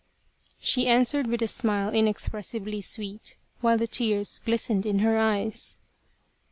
She answered with a smile inexpressibly sweet, while the tears glistened in her eyes.